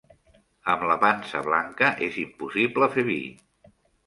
Amb la pansa blanca és impossible fer vi